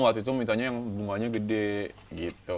waktu itu mintanya yang bunganya gede gitu